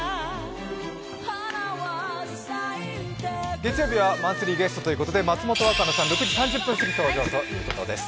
月曜日はマンスリーゲストということで松本若菜さん、６時３０分すぎに登場ということです